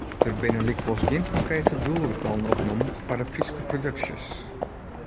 Der binne lykwols gjin konkrete doelgetallen opnommen foar Fryske produksjes.